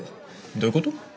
どういうこと？